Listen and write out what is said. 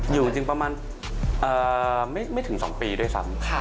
อยู่จริงประมาณไม่ถึง๒ปีด้วยซ้ำ